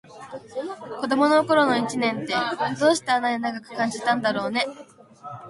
子どもの頃の一年って、どうしてあんなに長く感じたんだろうね。